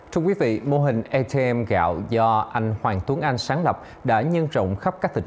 thưa quý vị mô hình atm gạo do anh hoàng tuấn anh sáng lập đã nhân rộng khắp các tỉnh